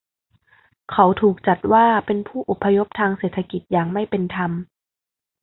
เขาถูกจัดว่าเป็นผู้อพยพทางเศรษฐกิจอย่างไม่เป็นธรรม